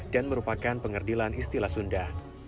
dan merupakan pengerdilan istilah sunda